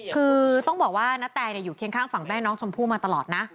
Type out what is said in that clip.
คือต้องบอกว่าณแตอยู่เคียงข้างฝั่งแม่น้องชมพู่มาตลอดนะ